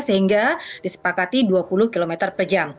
sehingga disepakati dua puluh km per jam